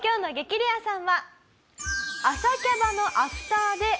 レアさんは。